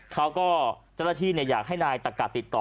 เขาก็เจ้าละที่อยากให้นายตะกะติดต่อ